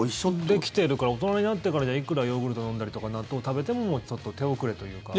できてるから大人になってからじゃいくらヨーグルト飲んだりとか納豆食べてもちょっと手遅れというか。